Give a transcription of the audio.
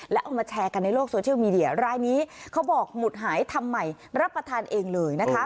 แล้วเอามาแชร์กันในโลกโซเชียลมีเดียรายนี้เขาบอกหมุดหายทำใหม่รับประทานเองเลยนะคะ